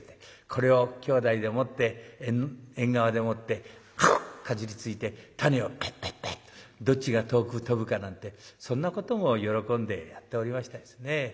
これをきょうだいでもって縁側でもってガブッかじりついて種をペッペッペッどっちが遠く飛ぶかなんてそんなことも喜んでやっておりましたですね。